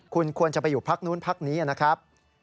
คุณควรจะไปอยู่พักนู้นพักนี้นะครับ